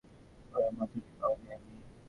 তিনি বলেন, অনেক খোঁজাখুঁজি করেও মাথাটি পাওয়া যায়নি।